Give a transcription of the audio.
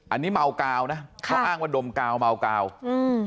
อันนี้เมากาวนะเขาอ้างว่าดมกาวเมากาวอืม